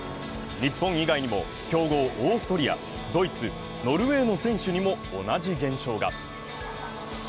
日本以外にも強豪オーストリア、ドイツ、ノルウェーの選手にも同じ現象が。